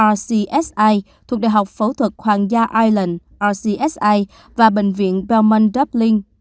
rcs i thuộc đại học phẫu thuật hoàng gia ireland rcs i và bệnh viện belmont dublin